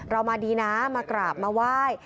เรามาดีนะมากราบมาไหว้